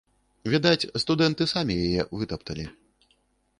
Відаць, студэнты самі яе вытапталі.